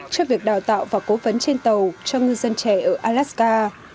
cho việc đào tạo và cố vấn trên tàu cho ngư dân trẻ ở alaska